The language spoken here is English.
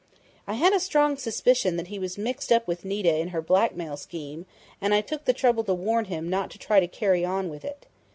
"I had a strong suspicion that he was mixed up with Nita in her blackmail scheme and I took the trouble to warn him not to try to carry on with it.